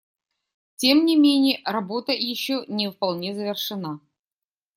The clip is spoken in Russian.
Тем не менее, работа еще не вполне завершена.